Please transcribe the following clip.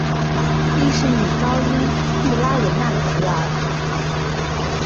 亦是女高音穆拉汶娜的侄儿。